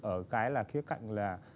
ở cái là kia cạnh là